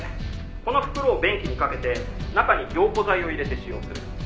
「この袋を便器にかけて中に凝固剤を入れて使用する」